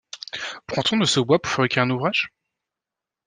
Prend-on de ce bois pour fabriquer un ouvrage?